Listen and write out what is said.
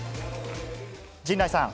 陣内さん。